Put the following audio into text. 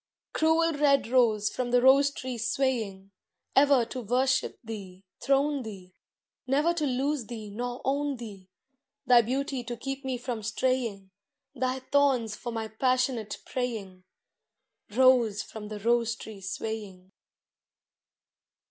Cruel red rose from the rose tree swaying, Ever to worship thee, throne thee, Never to lose thee nor own thee. Thy beauty to keep me from straying, Thy thorns for my passionate praying, Rose from the rose tree swaying.